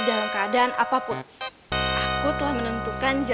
dah sekarang giliran kamu